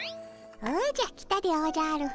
おじゃ来たでおじゃる。